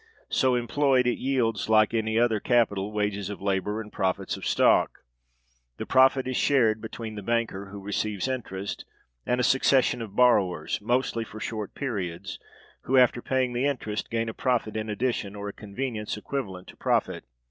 So employed, it yields, like any other capital, wages of labor, and profits of stock. The profit is shared between the banker, who receives interest, and a succession of borrowers, mostly for short periods, who, after paying the interest, gain a profit in addition, or a convenience equivalent to profit.